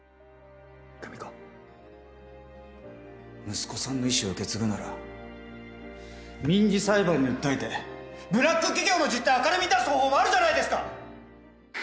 息子さんの遺志を受け継ぐなら民事裁判に訴えてブラック企業の実態を明るみに出す方法もあるじゃないですか！